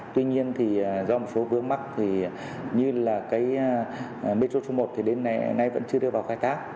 tuy nhiên thì do một số vướng mắt thì như là cái metro số một thì đến nay vẫn chưa đưa vào khai thác